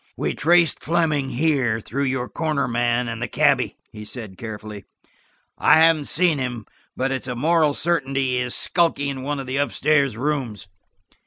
"We traced Fleming here, through your corner man and the cabby," he said carefully. "I haven't seen him, but it is a moral certainty he is skulking in one of the up stairs rooms.